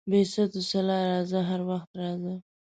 بې ست وسلا راځه، هر وخت راځه.